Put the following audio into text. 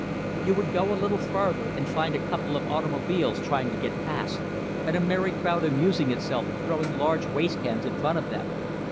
You would go a little farther, and find a couple of automobiles trying to get past, and a merry crowd amusing itself throwing large waste cans in front of them.